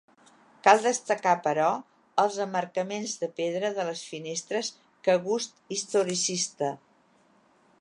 Cal destacar però, els emmarcaments de pedra de les finestres que gust historicista.